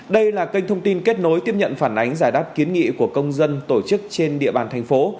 đây là kênh thông tin kết nối tiếp nhận phản ánh giải đáp kiến nghị của công dân tổ chức trên địa bàn thành phố